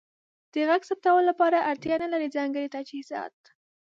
د غږ ثبتولو لپاره اړتیا نلرئ ځانګړې تجهیزات.